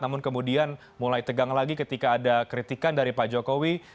namun kemudian mulai tegang lagi ketika ada kritikan dari pak jokowi